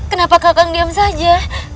kenapa kakang diam saja